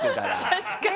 確かに。